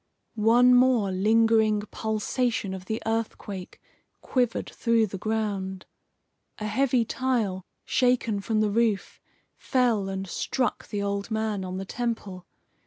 One more lingering pulsation of the earthquake quivered through the ground. A heavy tile, shaken from the roof, fell and struck the old man on the temple.